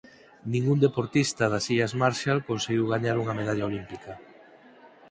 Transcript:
Ningún deportista das Illas Marshall conseguiu gañar unha medalla olímpica.